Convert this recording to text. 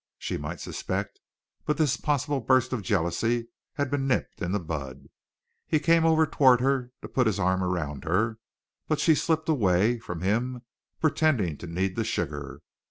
She might suspect, but this possible burst of jealousy had been nipped in the bud. He came over toward her to put his arm round her, but she slipped away from him, pretending to need the sugar.